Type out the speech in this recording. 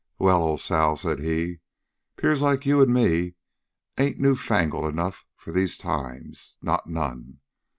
"Well, Ole Sal," said he, "'pears like you an' me ain't newfangled enough for these times, not none!